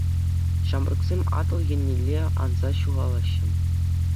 Ҫамрӑксем Атӑл еннелле анса ҫухалаҫҫӗ.